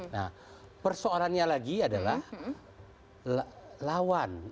nah persoalannya lagi adalah lawan